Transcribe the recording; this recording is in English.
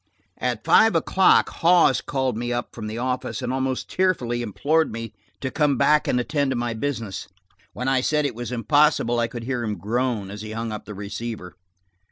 At five o'clock Hawes called me up from the office and almost tearfully implored me to come back and attend to my business. When I said it was impossible, I could hear him groan as he hung up the receiver.